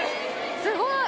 すごい！